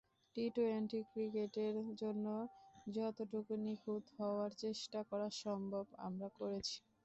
T twenty ক্রিকেটের জন্য যতটুকু নিখুঁত হওয়ার চেষ্টা করা সম্ভব, আমরা করেছি।